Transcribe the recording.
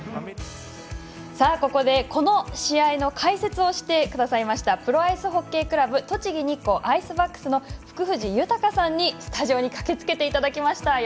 ここでこの試合の解説をしてくださいましたプロアイスホッケースタイル栃木日光アイスバックスの福藤豊さんにスタジオに駆けつけていただきました。